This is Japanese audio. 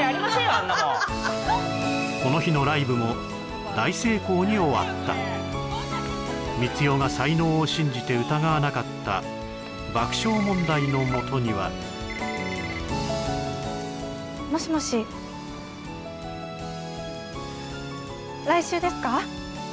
そんなもんこの日のライブも大成功に終わった光代が才能を信じて疑わなかった爆笑問題のもとにはもしもし来週ですか？